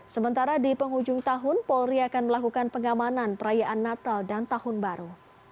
sementara di penghujung tahun polri akan melakukan pengamanan perayaan natal dan tahun baru